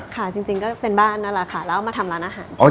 ค่ะจริงก็เป็นบ้านนั่นแหละค่ะแล้วเอามาทำร้านอาหาร